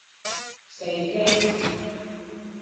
四億